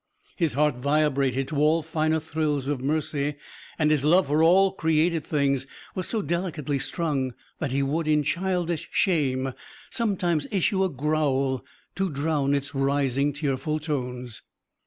His heart vibrated to all finer thrills of mercy; and his love for all created things was so delicately strung that he would, in childish shame, sometimes issue a growl to drown its rising, tearful tones.